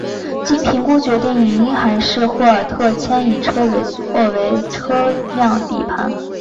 经评估决定以婴孩式霍尔特牵引车作为车辆底盘。